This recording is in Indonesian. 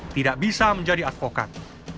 tidak bisa menjadi advokat